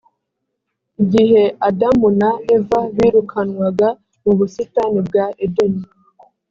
gihe adamu na eva birukanwaga mu busitani bwa edeni